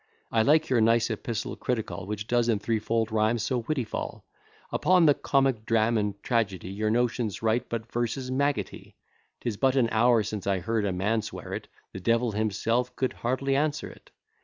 I like your nice epistle critical, Which does in threefold rhymes so witty fall; Upon the comic dram' and tragedy Your notion's right, but verses maggotty; 'Tis but an hour since I heard a man swear it, The Devil himself could hardly answer it.